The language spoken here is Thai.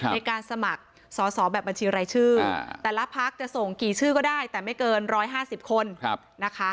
ในการสมัครสอบแบบบัญชีรายชื่อแต่ละพักจะส่งกี่ชื่อก็ได้แต่ไม่เกิน๑๕๐คนนะคะ